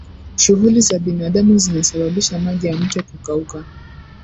shughuli za binadamu zinasababisha maji ya mto kukauka